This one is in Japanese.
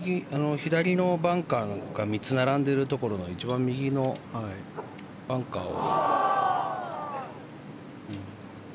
バンカーが３つ並んでいるところの一番右のバンカーが。